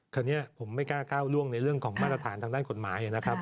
คราวนี้ผมไม่กล้าก้าวล่วงในเรื่องของมาตรฐานทางด้านกฎหมายนะครับ